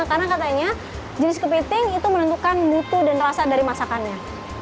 karena katanya jenis kepiting itu menentukan butuh dan rasa dari masakannya